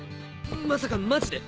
まさかマジで？